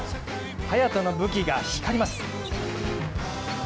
早田の武器が光ります。